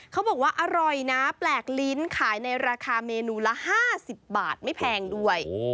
เขาบอกว่าอร่อยนะแปลกลิ้นขายในราคาเมนูละ๕๐บาทไม่แพงด้วย